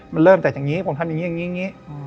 มันเริ่มจากอย่างนี้ผมทำอย่างนี้อย่างนี้